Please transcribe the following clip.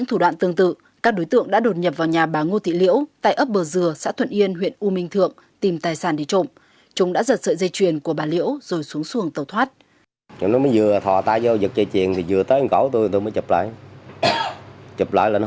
trước đó ít ngày anh ngô thanh việt chú xã vĩnh phong huyện vĩnh phong bị các đối tượng đột nhập vào nhà lấy trộm ví tiền và giật mất sợi dây chuyền